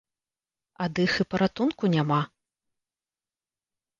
Ад іх паратунку няма.